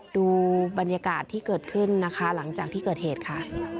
ดูบรรยากาศที่เกิดขึ้นนะคะหลังจากที่เกิดเหตุค่ะ